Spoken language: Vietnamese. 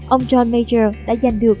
ông john major đã giành được